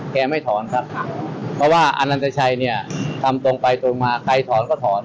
เพราะว่าอันนั้นจะใช่เนี่ยทำตรงไปตรงมาใครถอนก็ถอน